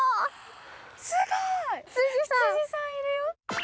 すごい！ひつじさんいるよ。